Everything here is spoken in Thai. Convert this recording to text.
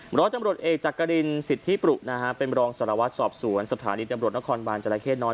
บริษัทจำรวจเอกจากกรินสิทธิปรุเป็นบริษัทสารวัตรสอบสวนสถานีจำรวจนครบันจราเข้นน้อย